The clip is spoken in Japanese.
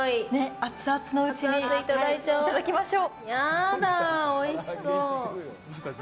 アツアツのうちにいただきましょう。